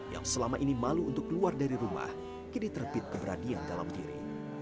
yang selama ini malu untuk keluar dari rumah kini terbit keberanian dalam diri